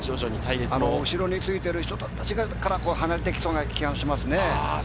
後ろについている人たちが離れていきそうな気がしますね。